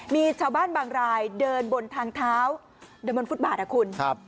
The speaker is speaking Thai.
มีชาวบ้านบางรายเดินบนทางเท้าเดินบนฟุตบาทนะคุณครับ